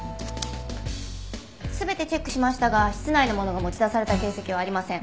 全てチェックしましたが室内のものが持ち出された形跡はありません。